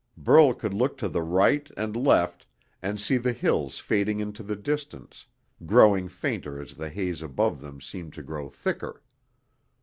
Burl could look to the right and left, and see the hills fading into the distance, growing fainter as the haze above them seemed to grow thicker.